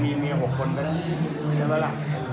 มีเมีย๖คนขนก็ได้ละ